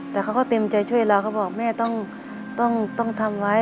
แต่เขาก็เต็มใจช่วยเราเขาบอกแม่ต้องทำไว้